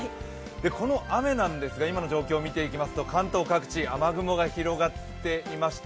この雨なんですが、今の状況を見ていきますと、関東各地、雨雲が広がっていまして